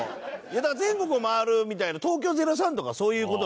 全国を回るみたいな東京０３とかそういう事なの？